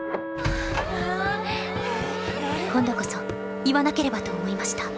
「今度こそいわなければと思いました。